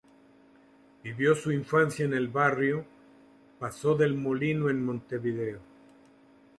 Vivió su infancia en el barrio Paso del Molino en Montevideo.